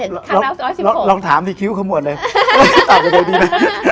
ทาง๑๙๑๖เนี่ยลองถามที่คิ้วข้างบนเลยตอบกันโดยดีนะ